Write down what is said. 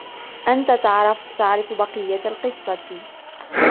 أنتَ تعرف بقية القصة.